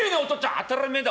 「当たりめえだ。